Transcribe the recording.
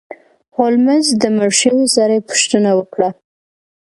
هولمز د مړ شوي سړي پوښتنه وکړه.